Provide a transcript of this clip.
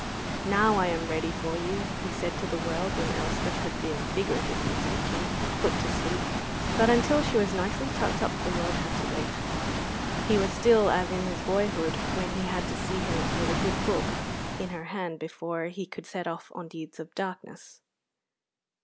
"Now I am ready for you," he said to the world when Elspeth had been, figuratively speaking, put to sleep; but until she was nicely tucked up the world had to wait. He was still as in his boyhood, when he had to see her with a good book in her hand before he could set off on deeds of darkness.